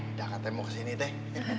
udah kata mau kesini teh